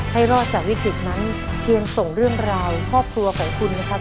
ให้รอดจากวิกฤตนั้นเพียงส่งเรื่องราวครอบครัวของคุณนะครับ